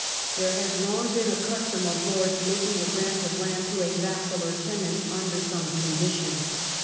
There had long been a custom of lords making a grant of land to a vassal or tenant under some condition.